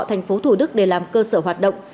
thành phố thủ đức để làm cơ sở hoạt động